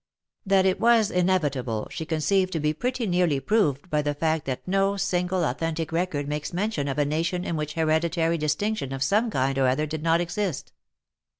That it was inevitable, she conceived to be pretty nearly proved by the fact that no single authentic record makes mention of a nation in which hereditary distinction of some kind or other did not exist.